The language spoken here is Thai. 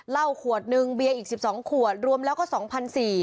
เหล้าขวดนึงเบียร์อีก๑๒ขวดรวมแล้วก็๒๔๐๐บาท